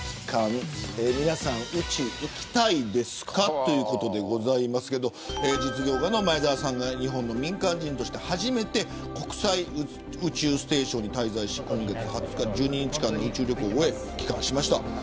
ということでございますけれど実業家の前澤さんが日本の民間人として初めて国際宇宙ステーションに滞在し今月２０日、１２日間の宇宙旅行を終え帰還しました。